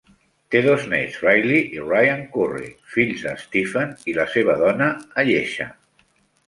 Té dos néts, Riley i Ryan Curry, fills de Stephen i la seva dona Ayesha.